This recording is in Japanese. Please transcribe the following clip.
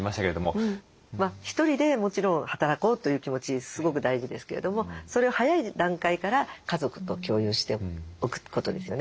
１人でもちろん働こうという気持ちすごく大事ですけれどもそれを早い段階から家族と共有しておくことですよね。